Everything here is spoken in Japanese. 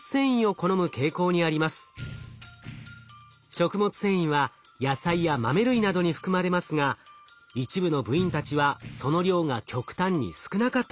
食物繊維は野菜や豆類などに含まれますが一部の部員たちはその量が極端に少なかったといいます。